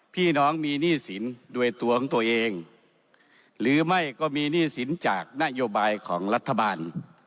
พี่น้องมีหนี้สินโดยตัวของตัวเองหรือไม่ก็มีหนี้สินจากนโยบายของรัฐบาล